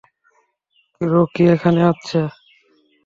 Rocky এখানে আসছে।